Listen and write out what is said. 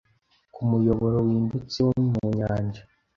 kumuyoboro wimbitse wo mu Nyanja